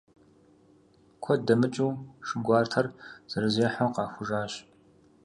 Куэд дэмыкӀыу, шы гуартэр зэрызехьэу къахужащ.